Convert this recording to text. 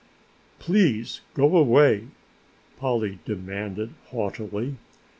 "Please go away," Polly demanded haughtily.